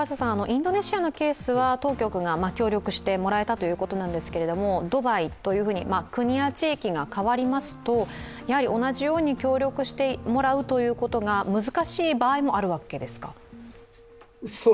インドネシアのケースは当局が協力してもらえたということなんですがドバイというふうに、国や地域が変わりますと同じように協力してもらうということが難しい場合もあるわけですか？